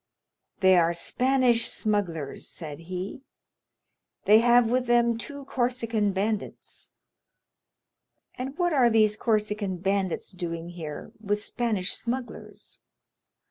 "They are Spanish smugglers," said he; "they have with them two Corsican bandits." "And what are these Corsican bandits doing here with Spanish smugglers?"